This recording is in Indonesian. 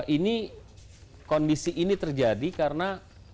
ini kondisi ini terjadi karena